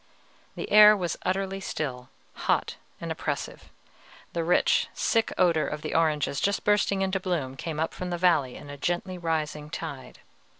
The air was utterly still, hot and oppressive; the rich, sick odor of the oranges just bursting into bloom came up from the valley in a gently rising tide.